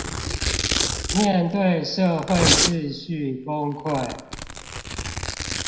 面對社會秩序崩潰